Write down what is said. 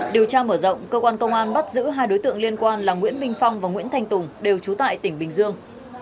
điều tra mở rộng cơ quan công an bắt giữ hai đối tượng liên quan là nguyễn minh phong và nguyễn thanh tùng đều trú tại tỉnh bình dương